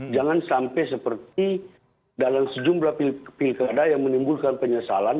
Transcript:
jangan sampai seperti dalam sejumlah pilkada yang menimbulkan penyesalan